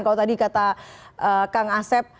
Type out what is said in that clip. kalau tadi kata kang asep